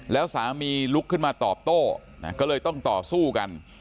แล้วสามีลุกขึ้นมาตอบโต้ก็เลยต้องต่อสู้กัน